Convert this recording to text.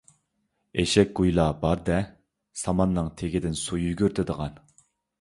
ئېشەك گۇيلا بار-دە، ساماننىڭ تېگىدىن سۇ يۈگۈرتىدىغان.